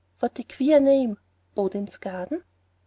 What a queer name, Odin's Garden!"